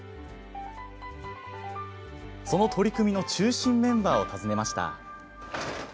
その取り組みの中心メンバーを訪ねました。